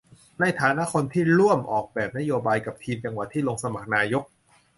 ในฐานะคนที่ร่วมออกแบบนโยบายกับทีมจังหวัดที่ลงสมัครนายก